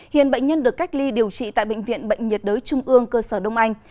hiện bệnh nhân được cách ly điều trị tại bệnh viện bệnh nhiệt đới trung ương cơ sở đông anh